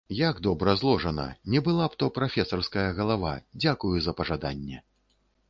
Як добра зложана, не была б то прафесарская галава, дзякую за пажаданне.